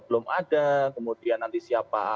belum ada kemudian nanti siapa